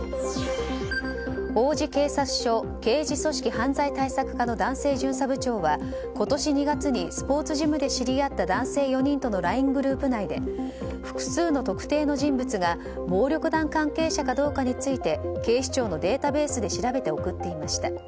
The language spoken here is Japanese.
王子警察署刑事組織犯罪対策課の男性巡査部長は今年２月にスポーツジムで知り合った男性４人とのＬＩＮＥグループ内で複数の特定の人物が暴力団関係者かどうかについて警視庁のデータベースで調べて送っていました。